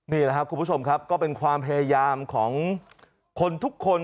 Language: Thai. นี่แหละครับคุณผู้ชมครับก็เป็นความพยายามของคนทุกคน